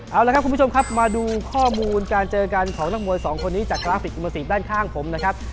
เอาละครับคุณผู้ชมครับมาดูข้อมูลการเจอกันของนักมวยสองคนนี้จากกราฟิกอิโมซีฟด้านข้างผมนะครับ